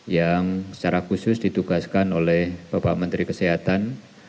yang secara khusus ditugaskan oleh bapak menteri kesehatan